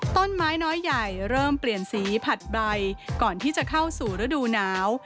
ต้นไม้น้อยใหญ่เริ่มเปลี่ยนสีผัดใบก่อนที่จะเข้าสู่ฤดูหนาว